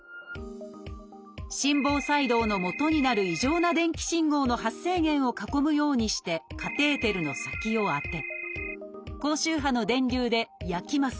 心房細動のもとになる異常な電気信号の発生源を囲むようにしてカテーテルの先を当て高周波の電流で焼きます。